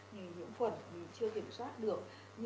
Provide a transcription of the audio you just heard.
những phần thì chưa kiểm soát được